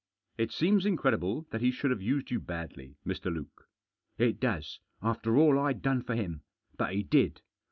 " It seems incredible that he should have used you badly, Mr. Luke." " It does. After all Fd done for him. But he did.